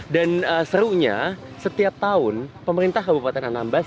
dan serunya setiap tahun pemerintah kabupaten anambas